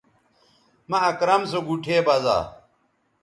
مہ اکرم سو گوٹھے بزا